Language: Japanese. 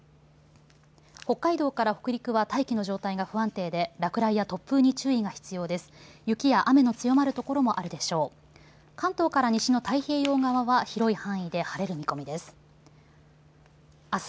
北海道から北陸は大気の状態が不安定で落雷や突風に注意が必要です。